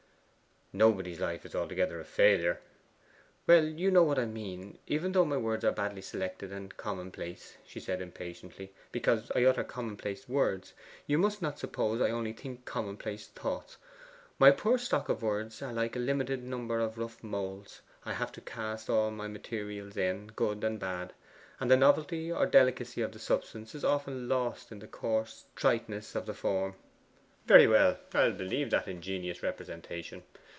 'Nobody's life is altogether a failure.' 'Well, you know what I mean, even though my words are badly selected and commonplace,' she said impatiently. 'Because I utter commonplace words, you must not suppose I think only commonplace thoughts. My poor stock of words are like a limited number of rough moulds I have to cast all my materials in, good and bad; and the novelty or delicacy of the substance is often lost in the coarse triteness of the form.' 'Very well; I'll believe that ingenious representation.